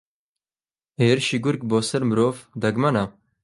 ھێرشی گورگ بۆسەر مرۆڤ دەگمەنە